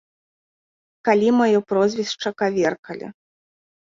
Калі маё прозвішча каверкалі.